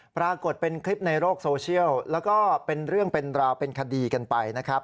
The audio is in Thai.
ปรากฏเป็นคลิปในโลกโซเชียลแล้วก็เป็นเรื่องเป็นราวเป็นคดีกันไปนะครับ